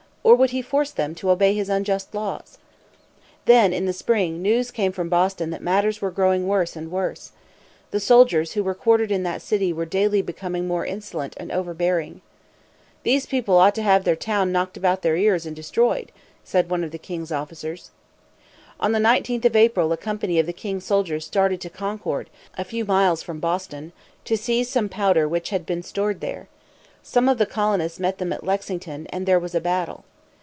Or would he force them to obey his unjust laws? Then, in the spring, news came from Boston that matters were growing worse and worse. The soldiers who were quartered in that city were daily becoming more insolent and overbearing. "These people ought to have their town knocked about their ears and destroyed," said one of the king's officers. On the 19th of April a company of the king's soldiers started to Concord, a few miles from Boston, to seize some powder which had been stored there. Some of the colonists met them at Lexington, and there was a battle.